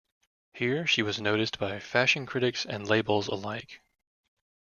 Here, she was noticed by fashion critics and labels alike.